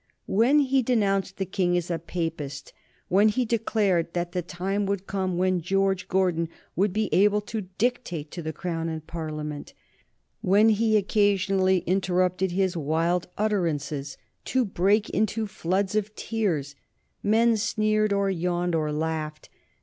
When he denounced the King as a Papist, when he declared that the time would come when George Gordon would be able to dictate to the Crown and Parliament, when he occasionally interrupted his wild utterances to break into floods of tears, men sneered or yawned or laughed.